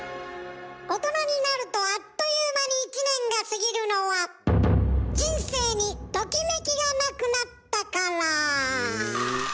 大人になるとあっという間に１年が過ぎるのは人生にトキメキがなくなったから。